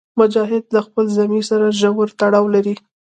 مجاهد د خپل ضمیر سره ژور تړاو لري.